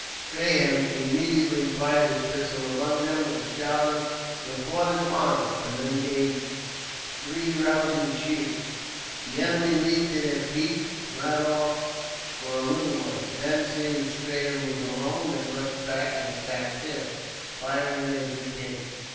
Strahan immediately fired his pistol among them, with a shout of, "The fort is mine!" and then gave three rousing cheers. The enemy leaped to their feet and ran off for a little way. Then, seeing Strahan was alone, they rushed back and attacked him, firing as they came.